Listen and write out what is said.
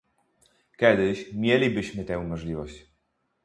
Kiedyś mielibyśmy tę możliwość